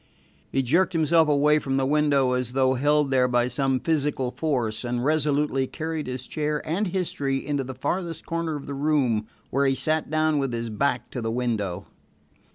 He jerked himself away from the window as though held there by some physical force, and resolutely carried his chair and history into the farthest corner of the room, where he sat down with his back to the window.